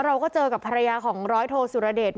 เราก็เจอกับภรรยาของร้อยโทสุรเดช